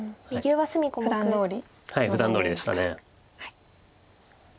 はいふだんどおりでした。